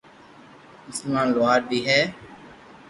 مسمان لوھار بي ھي